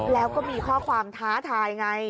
แล้วก็มีข้อความท้าทายไง